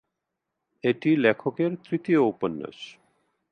এটি লেখকের তৃতীয় উপন্যাস।